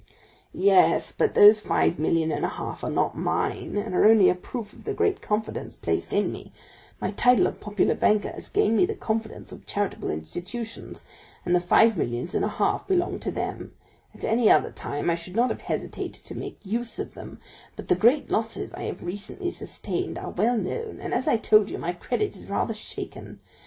"Yes, but those five millions and a half are not mine, and are only a proof of the great confidence placed in me; my title of popular banker has gained me the confidence of charitable institutions, and the five millions and a half belong to them; at any other time I should not have hesitated to make use of them, but the great losses I have recently sustained are well known, and, as I told you, my credit is rather shaken.